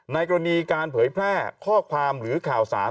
กรณีการเผยแพร่ข้อความหรือข่าวสาร